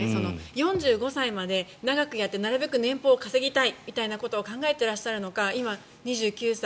４５歳まで長くやってなるべく年俸を稼ぎたいと考えていらっしゃるのか今、２９歳。